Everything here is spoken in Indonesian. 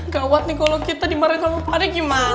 gawat nih kalo kita dimarahin sama padanya gimana